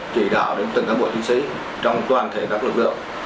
chỉ đạo đến từng các bộ chính sĩ trong toàn thể các lực lượng